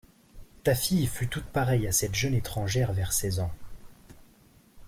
Ta fille fut toute pareille à cette jeune étrangère vers seize ans.